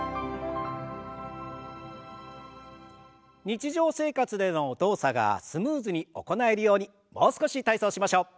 日常生活での動作がスムーズに行えるようにもう少し体操をしましょう。